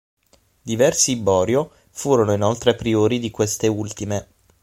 Diversi Borio furono inoltre priori di queste ultime.